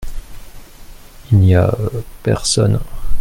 Il n’y a personne.